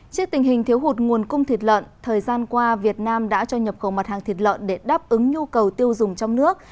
trước tình hình thiếu hụt nguồn cung thịt lợn thời gian qua việt nam đã cho nhập khẩu mặt hàng thịt lợn để đáp ứng nhu cầu tiêu dùng trong nước